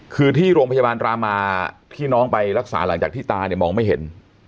คือที่โรงพยาบาลรามาที่น้องไปรักษาหลังจากที่ตาเนี่ยมองไม่เห็น